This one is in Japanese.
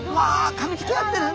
かみつき合ってる！